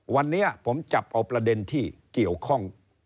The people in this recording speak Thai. วันนี้ผมจับเอาประเด็นที่เกี่ยวข้อง